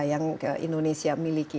yang indonesia miliki